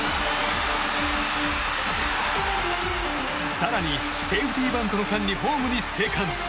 更に、セーフティーバントの間にホームに生還。